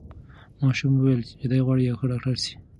ماشوم وویل چې دی غواړي یو ښه ډاکټر سي.